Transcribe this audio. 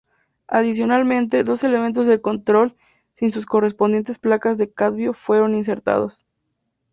Adicionalmente, dos elementos de control sin sus correspondientes placas de cadmio fueron insertados.